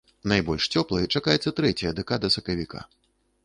Найбольш цёплай чакаецца трэцяя дэкада сакавіка.